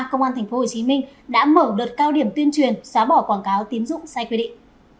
công an tp hcm đã mở đợt cao điểm tuyên truyền xóa bỏ quảng cáo tín dụng sai quy định